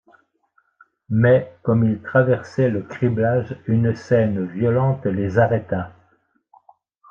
Mais, comme ils traversaient le criblage, une scène violente les arrêta.